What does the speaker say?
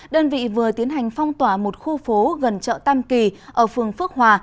đơn vị vừa tiến hành phong tỏa một khu phố gần chợ tam kỳ ở phường phước hòa